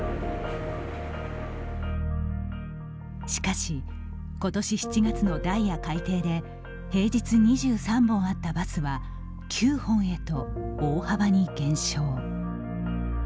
しかしことし７月のダイヤ改定で平日２３本あったバスは９本へと大幅に減少。